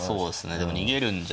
でも逃げるんじゃ